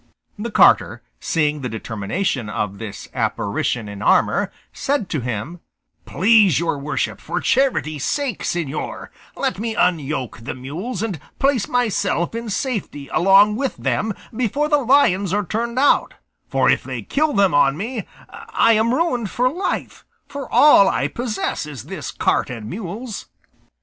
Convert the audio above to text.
The carter, seeing the determination of this apparition in armour, said to him, "Please your worship, for charity's sake, señor, let me unyoke the mules and place myself in safety along with them before the lions are turned out; for if they kill them on me I am ruined for life, for all I possess is this cart and mules."